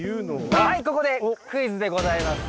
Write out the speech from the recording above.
はいここでクイズでございます。